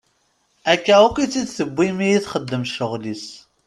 Akka akk i tt-id-tewwi mi i txeddem ccɣel-is.